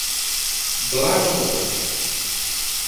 Bla de boca.